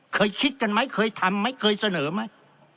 เคยคิดกันไหมเคยทำไหมเคยเสนอไหม